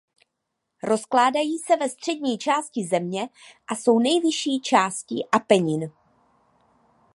Rozkládají se ve střední části země a jsou nejvyšší částí Apenin.